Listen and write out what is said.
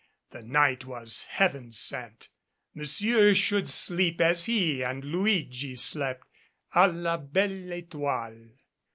The night was heaven sent. Monsieur should sleep as he and Luigi slept a la belle etoile.